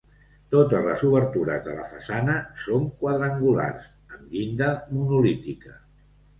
Totes les obertures de la façana són quadrangulars amb llinda monolítica.